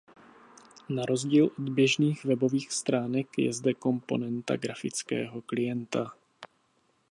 Na rozdíl od běžných webových stránek je zde komponenta grafického klienta.